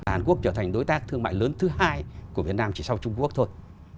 hàn quốc trở thành đối tác thương mại lớn thứ hai của việt nam chỉ sau trung quốc thôi